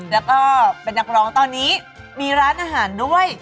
แล้วก็เป็นนักร้องตอนนี้มีร้านอาหารด้วย